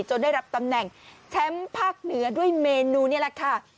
ได้รับตำแหน่งแชมป์ภาคเหนือด้วยเมนูนี่แหละค่ะ